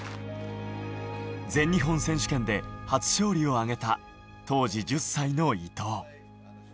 全日本選手権で初勝利を挙げた、当時１０歳の伊藤。